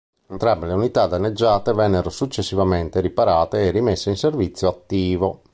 Entrambe le unità danneggiate vennero successivamente riparate e rimesse in servizio attivo.